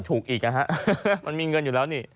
ถูกอีกนะฮะมันมีเงินอยู่แล้วนี่